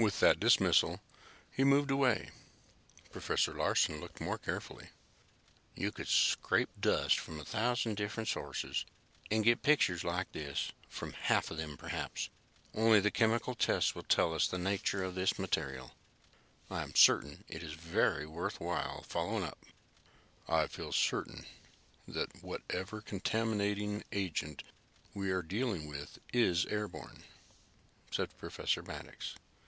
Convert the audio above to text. With that dismissal, he moved away. Professor Larsen looked more carefully. "You could scrape dust from a thousand different sources and get pictures like this from half of them perhaps. Only the chemical tests will show us the nature of this material. I am certain it is very worthwhile following up." "I feel certain that whatever contaminating agent we are dealing with is airborne," said Professor Maddox.